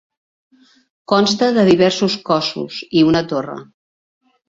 Consta de diversos cossos i una torre.